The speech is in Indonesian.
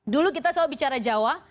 dulu kita selalu bicara jawa